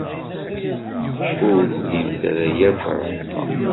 Ur tlimt ara akk ṛṛeḥma.